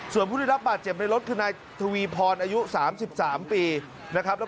ส่วนผู้ได้รับบาดเจ็บในรถคือนายทวีพรอายุ๓๓ปีนะครับ